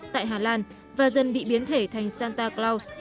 tại hà lan và dân bị biến thể thành santa claus